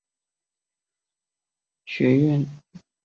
后曾在皇家音乐学院任教。